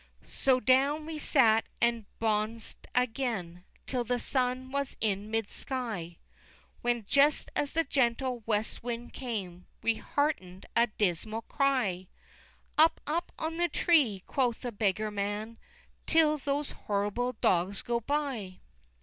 XIII. So down we sat and bons'd again Till the sun was in mid sky, When, just as the gentle west wind came, We hearken'd a dismal cry: "Up, up, on the tree," quoth the beggar man, "Till those horrible dogs go by!"